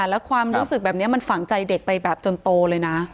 แล้วความรู้สึกแบบนี้มันฝังใจเด็กไปแบบจนโตเลยนะ